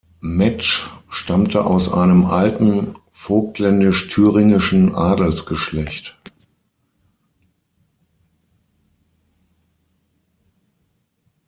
Metzsch stammte aus einem alten vogtländisch-thüringischen Adelsgeschlecht.